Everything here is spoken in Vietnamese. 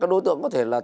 các đối tượng có thể là